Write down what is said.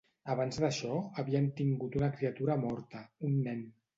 Abans d'això, havien tingut una criatura morta, un nen.